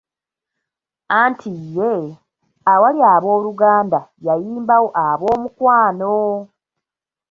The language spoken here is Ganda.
Anti ye, awaali "Abooluganda" yayimbawo "Aboomukwano".